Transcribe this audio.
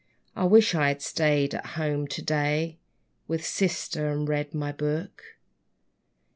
I wish I had stayed at home to day With sister, and read my book.